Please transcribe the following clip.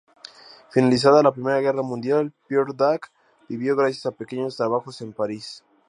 Finalizada la Primera Guerra Mundial, Pierre Dac vivió gracias a pequeños trabajos en París.